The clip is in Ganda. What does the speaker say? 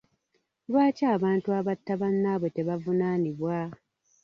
Lwaki abantu abatta bannaabwe tebavunaanibwa?